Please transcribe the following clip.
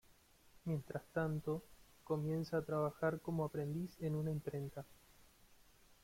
Mientras tanto comienza a trabajar como aprendiz en una imprenta.